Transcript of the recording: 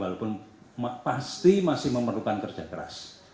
walaupun pasti masih memerlukan kerja keras